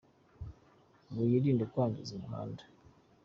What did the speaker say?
Ngo yirinde kwangiza umuhanda.